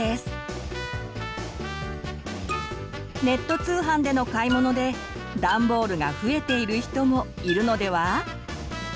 ネット通販での買い物でダンボールが増えている人もいるのでは？